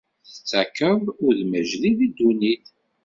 Tettakeḍ udem ajdid i ddunit.